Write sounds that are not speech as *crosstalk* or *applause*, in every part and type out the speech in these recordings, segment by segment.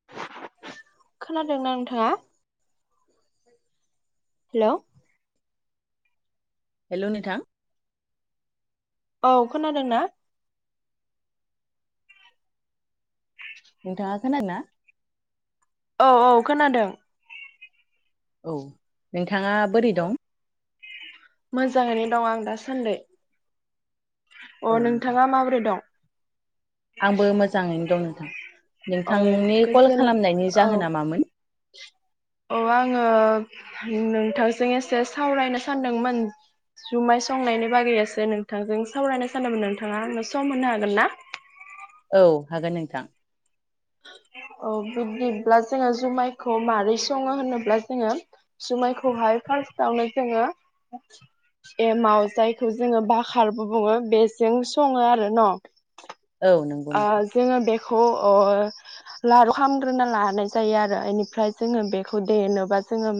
*inaudible* खोनादोंना नोंथाङा? Hello hello नोंथां औ खोनादोंना? नोंथाङा खोनादोंना? औ औ खोनादों औ नोंथाङा बोरै दं मोजाङैनो दं आं दासान्दै। अ औ नोंथां नोंथाङा माबोरै दं? आंबो मोजाङैनो दं नोंथां। औ नोंथांनि कल खालामनायनि जाहोना मामोन? अ आङो नोंथांजों एसे सावरायनो सानदोंमोन। जुमाय संनायनि बागैयासो नोंथांजों सावरायनो सानमोन नोंथाङा आंनो सम होनो हागोन ना? औ हागोन नोंथां। औ बिदिब्ला जोङो जुमायखौ माबोरै सङो होनोब्ला जोङो जुमायखौहाय फार्स्टआवनो जोङो एमाव जायखौ जोङो बखारबो बुङो बेजों सङो आरो न'। औ नंगौ ओ नोंथां जोङो बेखौ ओ लारु खालामग्रोना लानाय जायो आरो बेनिफ्राय जोङो बेखौ देनोबा जोङो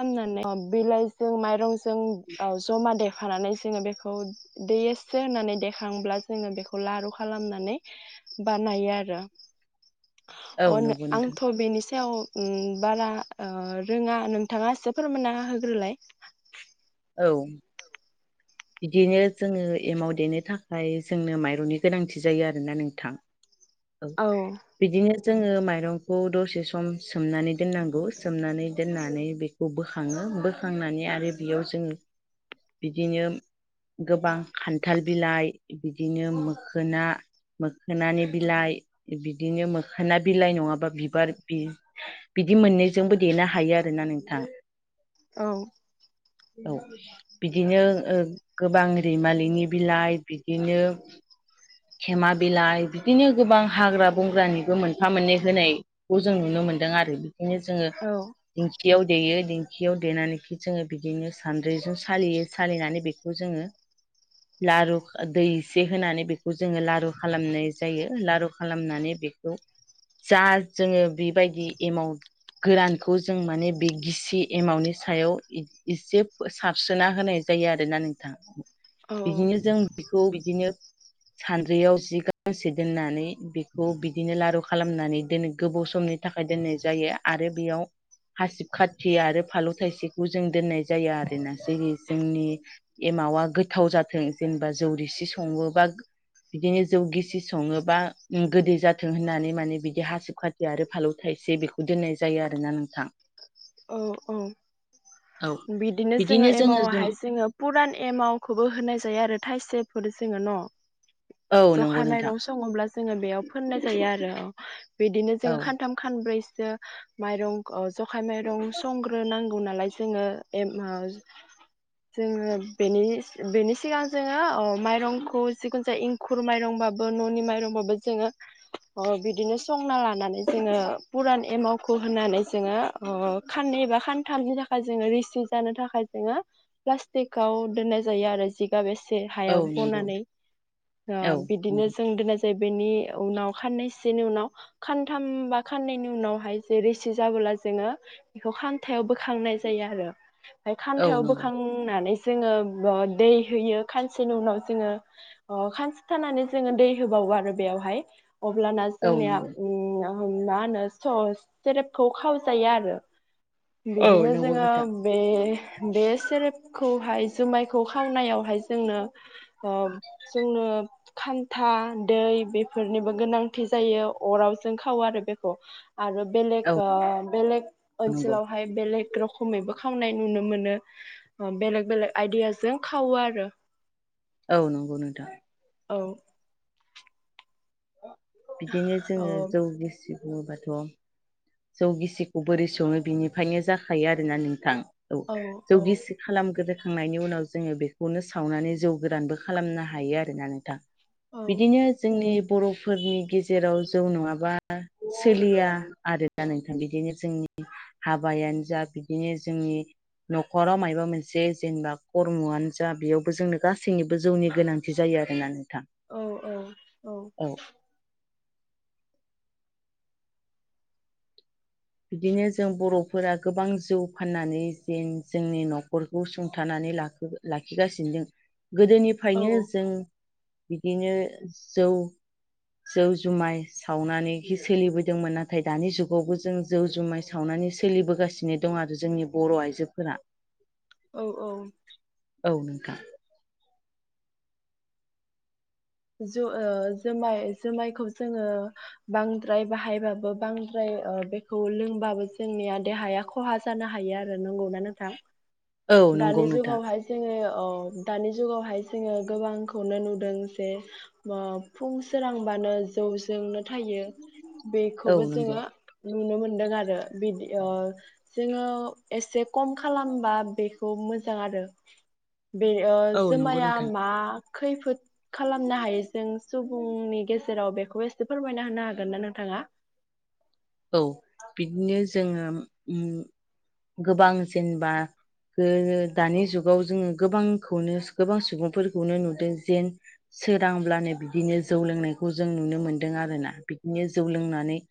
खालामनानै बिलाइजों माइरंजों जमा देखानानै जोङो बेखौ दै एसो होननानै देखांब्ला जोङो बेखौ लारु खालामनानै बानायो आरो औ अ नो- नंगौ नोंथां आंथ' बेनि सायाव ओम ओ बारा रोङा नों नोंथाङा एसे फोरमायना होग्रोलाय औ बिदिनो जोङो एमाव देनो थाखाय जोंनो माइरंनि गोनांथि जायो आरोना नोंथां। *inaudible* औ बिदिनो जोङो माइरंखौ दसे सम सोमनानै दोननांगौ सोमनानै दोननानै बे खौ बोखाङो बोखांनानै आरो बेयाव जोङो बिदिनो गोबां खान्थाल बिलाइ बिदिनो मोखोना मोखोनानि बिलाइ बिदिनो मोखोना बिलाइ नङाबा बिबार बि बिदि मोननैजोंबो देनो हायो आरोना नोंथां। औ औ बिदिनो ओ गोबां रैमालिनि बिलाइ बिदिनो खेमा बिलाइ बिदिनो गोबां हाग्रा बंग्रानिबो मोनफा मोननै होनाय खौ जों नुनो मोनदों आरो बेखायनो जोङो औ दिंखियाव देयो दिंखियाव देनानैखि जोङो बिदिनो सान्द्रिजों सालियो सालिनानै बे बेखौ जोङो लारु दै एसे होनानै बेखौ जोङो लारु खालामनाय जायो। लारु खालामनानै बेखौ जा जोङो बेबायदि एमाव गोरानखौ जों माने बे गिसि एमावनि सायाव इसे सारस्रोना होनाय जायो आरोना नोंथां। औ बिदिनो जों बेखौ बिदिनो सानद्रियाव जि गांसे दोननानै बेखौ बिदिनो लारु खालामनानै दोनो गोबाव समनि थाखाय दोननाय जायो आरो बेयाव हासिब खाति आरो फालौ थाइसेखौ जों दोननाय जायो आरो ना जेरै जोंनि एमावा गोथाव जाथों जेनेबा जौरिसि सङो बा बिदिनो जौ गिसि सङोबा गोदै जाथों होननानै माने बिदि हासिब खा दि आरो फालौ थाइसे बेखौ दोननाय जायो आरो ना नोंथां। औ औ औ बिदिनो जोङो एमाव आहाय जोङो पुरान एमावखौबो होनाय जायो आरो थाइसेफोर जोङो न' औ जखा नंगौ नोंथां माइरं सङोब्ला जोङो बेयाव फोननाय जायो आरो बिदिनो जोङो औ खानथाम खानब्रैसो माइरं ओ जखाय माइरं संग्रो नां गौ नालाय जोङो ओ जोङो बेनि बेनि सिगां जोङो अ माइरंखौ जिखुनु जाया खुर माइरंबाबो न'नि माइरंबाबो जोङो अ बिदिनो संना लानानै जोङो पुरान एमावखौ होनानै जोङो ओ खाननै एबा खान्थामनि थाखाय जोङो रिसि जानो थाखाय जोङो प्लास्टिकाव दोननाय जायो आरो जिगाब बेसे औ हायाव नंगौ बनानै ओ औ बिदिनो नंगौ जों दोननाय जायो बेनि उनाव खाननैसोनि उनाव खानथाम बा खाननैनि उनावहाय जे रिसि जाबोला जोङो बेखौ खानथायाव बोखांनाय जायो आरो ओमफ्राय औ खान्थायाव नंगौ बोखांनानै जोङो दै होयो खानसेनि उनाव जोङो ओ खानसे थानानै जोङो दै होबावो आरो बेयावहाय अब्लाना औ जोंनिया नंगौ उ उ मा होनो सस सेरेपखौ खावजायो आरो औ बिदिनो नंगौ जोङो नोंथां बे बे सेरेबखौहाय जुमायखौ खावनायावहाय जोंनो ओ जोंनो खान्था दै बेफोरनिबो गोनांथि जायो अराव जों खावो आरो बेखौ आरो औ बेलेग आ बेलेग नंगौ ओनसोलावहाय बेलेग रोखोमैबो खावनाय नुनो मोनो ओ बेलेग बेलेग आइदियाजों खावो आरो औ नंगौ नोंथां औ बिदिनो औ जोङो जौ गिसि बुंबाथ' जौ गिसिखौ बोरै सङो बिनिफ्रायनो जाखायो आरोना नोंथां औ जौ गिसि खालामग्रोखांनायनि उनाव जोङो बेखौनो सावनानै जौ गोरानबो खालामनो हायो आरोना नोंथां। औ बिदिनो जोंनि बर'फोरनि गेजेराव जौ नङाबा सोलिया आरो ना नोंथां बिदिनो जोंनि हाबायानो जा बिदिनो जोंनि न'खराव मायबा मोनसे जेनेबा खर्मआनो जा बेयावबो जोंनो गासैनिबो जौनि गोनां थि जायो आरोना नोंथां औ औ औ बिदिनो जों बर'फोरा गोबां जौ फाननानै जेन जोंनि न'खरखौ सुंथानानै लाखि लाखिगासिनो गोदोनिफ्रायनो औ जों बिदिनो जौ जौ जुमाय सावनानै सोलिबोदोंमोन नाथाय दानि जुगावबो जों जौ जुमाय सावनानै सोलिबोगासिनो दं आरो जोंनि बर' आइजोफोरा। औ औ औ नोंथां जु ओ जुमाय जुमायखौ जोङो बांद्राय बाहायबाबो बांद्राय ओ बेखौ लोंबाबो जोंनिया देहाया खहा जानो हायो आरो नंगौना नोंथां। औ नंगौ दानि नोंथां जुगावहाय जोङो अ दानि जुगावहाय जोङो गोबांखौनो नुदों जे ओ फुं सोरांबानो जौजोंनो थायो औ बेखौबो नंगौ जोङो नुनो मोनदों आरो बिदि ओ जोङो एसे खम खालामबा बे खौ मोजां आरो बे ओ औ नंगौ जुमाया नोंथां मा खैफोद खालामनो हायो जों सुबुंनि गेजेराव बेखौ एसे फोरमायना होनो हागोन ना नोंथाङा। औ बिदिनो जोङो उम गोबां जेनेबा ओ दानि जुगाव जोङो गोबांखौनो गोबां सुबुंफोरखौनो नुदों जेन सोरांब्लानो बिदिनो जौ लोंनायखौ जों नुनो मोन्दों आरोना बिदिनो जौ लोंनानै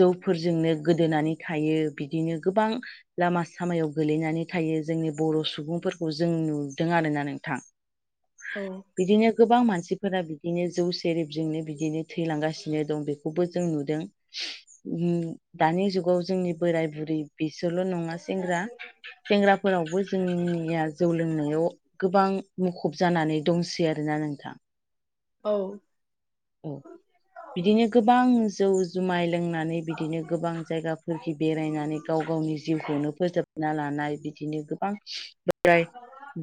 जौफोरजोंनो गोदोनानै थायो बिदिनो गोबां लामा सामायाव गोलैनानै थायो जोंनि बर' सुबुंफोरखौ जों नुदों आरोना नोंथां। *unintelligible* बिदिनो गोबां मानसिफोरा बिदिनो जौ सेरेबजोंनो बिदिनो थैलांगासिनो दं बेखौबो जों नुदों। *unintelligible* उम दानि जुगाव जोंनि बोराय बुरै बिसोरल' नं सेंग्रा सेंग्राफोरावबो जोंनिया जौ लोंनायाव गोबां मुखुब जानानै दंसै आरोना नोंथां। औ औ बिदिनो गोबां जौ जुमाय लोंनानै बिदिनो गोबां जायगाफोरखि बेरायनानै गाव गावनि जिउखौनो फोजोबना लानाय बिदिनो गोबां बोराय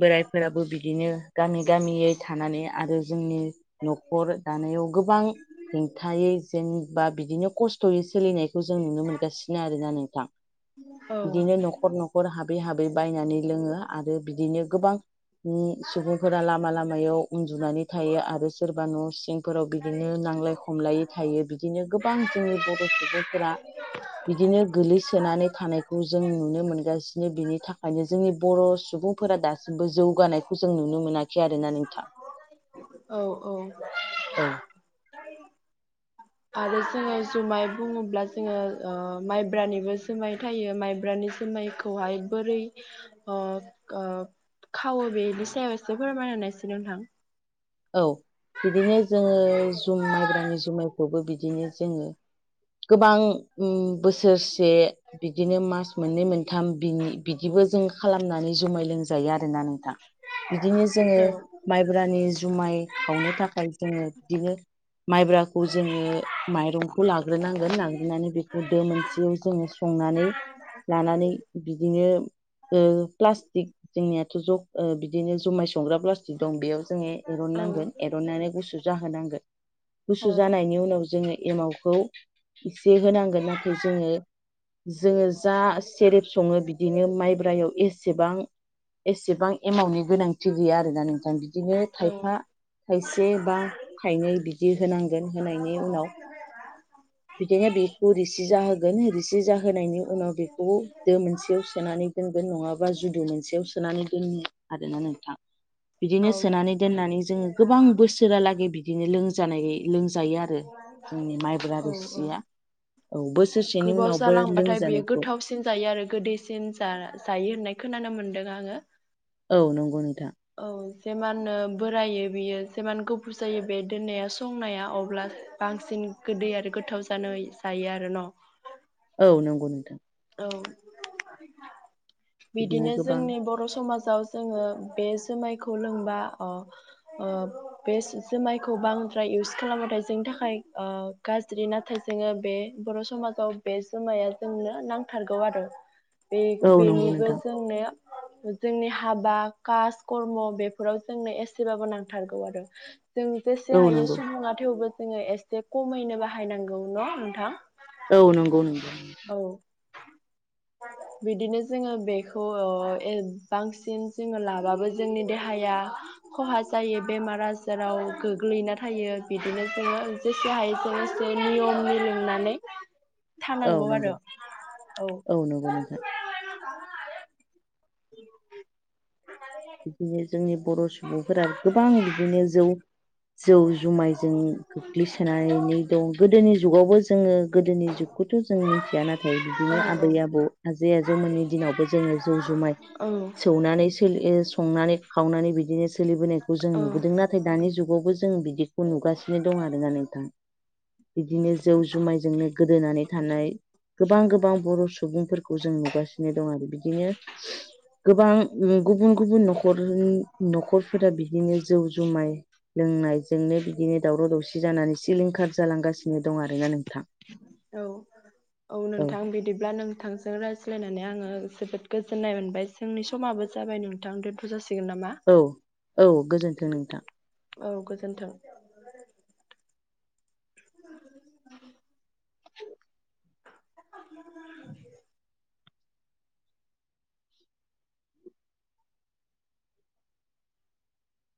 बोराइफोराबो बिदिनो गामि गामियै थानानै आरो जोंनि न'खर दानायाव गोबां हेंथायै जेनबा बिदिनो खस्थ'यै सोलिनाय खौ जों नुनो मोनगासिनो आरोना नोंथां औ बिदिनो न'ख खर न'खर हाबै हाबै बायनानै लोङो आरो बिदिनो गोबां सुबुंफोरा लामा लामायाव उन्दुनानै थायो आरो सोरबा न' सिं फोराव बिदिनो नांलाय खमलायै थायो बिदिनो गोबां जोंनि बर' सुबुंफोरा बिदिनो गोलैसोनानै थानायखौ जों नुनो मोनगासिनो बिनि थाखायनो जोंनि बर' सुबुं फोरा दासिमबो जौगानायखौ जों नुनो मोनाखै आरोना नोंथां। औ औ औ आरो जोङो जुमाय बुङोब्ला जोङो अ माइब्रानिबो जोमाय थायो माइब्रानि जोमाय खौहाय बोरै ओ ओ खावो बेनि सायाव एसे फोरमायना होनायसै नोंथां। औ बिदिनो जोङो जु जुम माइब्रानि जुमायखौबो बिदिनो जोङो गोबां उम बोसोरसे बिदिनो मास मोननै मोन थाम बिनि बिदिबो जों खालामनानै जुमाय लोंजायो आरोना नोंथां। बिदिनो जोङो औ माइब्रानि जुमाय खावनो थाखाय जोङो बिदिनो माइब्राखौ जोङो माइरंखौ लाग्रोनांगोन लाग्रोनानै बेखौ दो मोनसेयाव जोङो संनानै लानानै बिदिनो ओ प्लास्टिक जोंनियाथ' ज' ओ बिदिनो जुमाय संग्रा प्लास्टिक दं बेयाव जोङो औ एरननांगोन एरननानै गुसु जाहोनांगोन औ गुसु जानायनि उनाव जोङो एमाव खौ एसे होनांगोन नाथाय जोङो जोङो जा सेरेब सङो बिदिनो माइब्रायाव एसेबां एसेबां एमाउनि गोनांथि गैया आरोना नोंथां बिदिनो औ थाइ थाइसे बा थाइनै बिदि होनांगोन होनायनि उनाव *unintelligible* बिदिनो बेखौ रिसि जाहोगोन रिसि जाहोनायनि उनाव बेखौ दो मोनसेयाव सोनानै दोनगोन नङाबा जुदु मोनसेयाव सोनानै दोनो आरोना नोंथां। *inaudible* बिदिनो सोनानै दोननानै जोङो गोबां बोसोरालागै बिदिनो लोंजानाय लोंजायो आरो जोंनि माइब्रा औ औ रोसिया औ बोसोरसेनि गोबाव उनावबो जालांबाथाय बियो लोंजानायखौ गोथावसिन जायो आरो गोदै सिन जा जायो होननाय खोनानो मोन्दों आङो। औ नंगौ नोंथां। औ जेमाननो बोरायो बियो जेमान गोबाव जायो बे दोननाया संनाया अब्ला बांसिन गोदै आरो गोथाव जानाय जायो आरो न'? औ नंगौ नोंथां। औ बिदिनो जोंनि बर' समाजाव जोङो बे जोमायखौ लोंबा अ औ बे जुमायखौ बांद्राय इउस खालामाथाय जोंनि थाखाय ओ गाज्रि नाथाय जोङो बे बर' समाजाव बे जुमाया जोंनो नां थारगौ आरो बे औ नंगौ बेनिबो नोंथां जोंनिया जोंनि हाबा, कास, कर्म बेफोराव जोंनो एसेबाबो नांथारगौ आरो। जों औ जेसे हायो नंगौ सुबुङा थेवबो जोङो एसे खमैनो बाहायनांगौ। न' नोंथां? औ नंगौ नोंथां। औ बिदिनो जोङो बेखौ ओ एजांसिन जोङो लाबाबो जोंनि देहाया खहा जायो बेमार आजाराव गोग्लैना थायो बिदिनो जोङो जेसे हायो एसे नियम नि लोंनानै थाब औ नंगौ औ नंगौ नोंथां। *unintelligible* *unintelligible* बिदिनो जोंनि बर' सुबुंफोराबो गोबां बिदिनो जौ जौ जुमायजों गोग्लैसोनानै दं गोदोनि जुगावबो जोङो गोदोनि जुगखौथ' जों मिथिया नाथाय औ बिदिनो आबै-आबौ, आजै-आजौमोननि दिनाव बो जोङो जौ जुमाय औ सौनानै संनानै खावनानै बिदिनो सोलिबोनायखौ जों औ नुबोदों नाथाय दानि जुगावबो जों बिदि खौ नुगासिनो दं आरोना नोंथां बिदिनो जौ जुमायजोंनो गोदोनानै थानाय गोबां गोबां बर' सुबुं फोर खौ जों नुगासिनो दं आरो बिदिनो गोबां गुबुन गुबुन न खर न'खरफोरा बिदिनो जौ जुमाय लोंनायजोंनो बिदिनो दावराव-दावसि जानानै सिलिंखार जालांगासिनो। दं आरोना नोंथां औ औ नोंथां बिदिब्ला नों नोथांजों रायज्लायनानै आङो जोबोद गोजोननाय मोनबाय। जोंनि समाबो जाबाय नोंथां दोनथ' जासिगोन नामा? औ औ गोजोन्थों नोंथां। औ गोजोन्थों। *unintelligible* *inaudible* *inaudible*